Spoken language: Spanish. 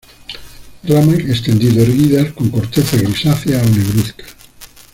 Ramas extendido-erguidas, con corteza grisácea o negruzca.